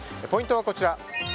ポイントはこちら。